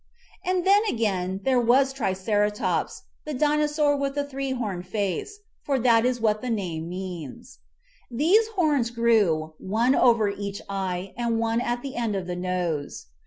And then again, there was Triceratops, the Dino saur with the three horned face, for that is what the name means. These horns grew, one over each eye and one on the end of the nose.